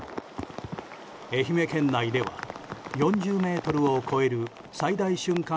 愛媛県内では４０メートルを超える最大瞬間